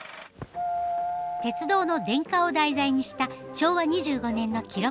鉄道の電化を題材にした昭和２５年の記録映画。